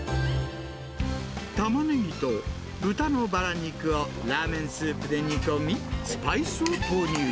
タマネギと豚のバラ肉をラーメンスープで煮込み、スパイスを投入。